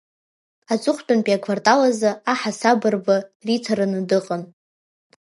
Аҵыхәтәантәи аквартал азы аҳасабырба риҭараны дыҟан.